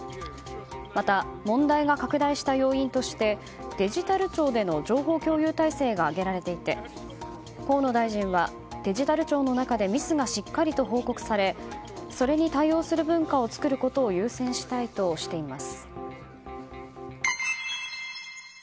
また、問題が拡大した要因としてデジタル庁での情報共有体制が挙げられていてデジタル庁の中でミスがしっかりと報告されそれに対応する文化を作ることを優先したいとしています。